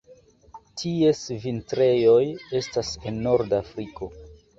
Ties vintrejoj estas en norda Afriko.